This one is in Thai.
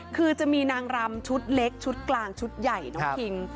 คือจะมีนางรำชุดเล็กชุดกลางชุดใหญ่น้องคิง